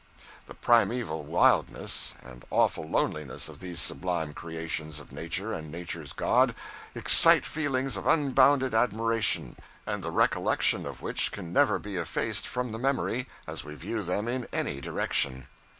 The primeval wildness and awful loneliness of these sublime creations of nature and nature's God, excite feelings of unbounded admiration, and the recollection of which can never be effaced from the memory, as we view them in any direction.